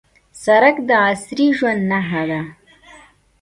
سړک د عصري ژوند نښه ده.